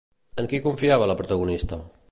En qui confiava la protagonista?